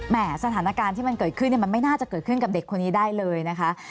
สถานการณ์ที่มันเกิดขึ้นมันไม่น่าจะเกิดขึ้นกับเด็กคนนี้ได้เลยนะคะ